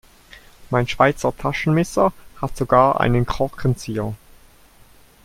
Mein Schweizer Taschenmesser hat sogar einen Korkenzieher.